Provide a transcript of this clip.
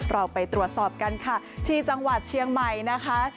เราไปตรวจสอบกันค่ะที่จังหวัดเชียงใหม่นะคะ